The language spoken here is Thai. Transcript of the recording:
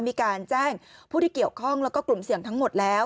มีการแจ้งผู้ที่เกี่ยวข้องแล้วก็กลุ่มเสี่ยงทั้งหมดแล้ว